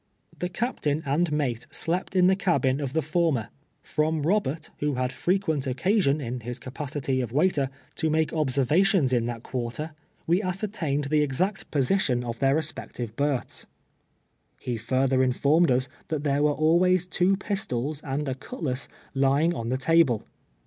Tlie captain and mate slept in the cabin of the for mer. From Robert, who had frequent occasion, in his capacity of waiter, to make observations in that THE COXSriRACY. Yl quarter, we ascertained the exact position of their respective berths. He further informed us that there were always two pistols and a cutlass lying on the table.